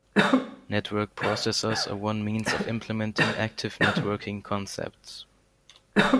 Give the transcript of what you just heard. Network processors are one means of implementing active networking concepts.